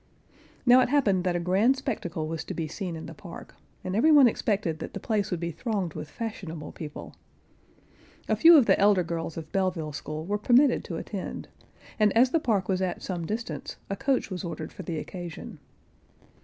Now it happened that a grand spectacle was to be seen in the park, and every one expected that the place would be thronged with fashionable people. A few of the elder girls of Belleville school were permitted to attend, and as the park was at some distance, a coach was ordered for the occasion.